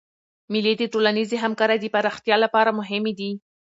مېلې د ټولنیزي همکارۍ د پراختیا له پاره مهمي دي.